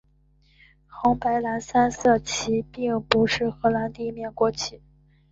红白蓝三色旗并不是荷兰的第一面国旗。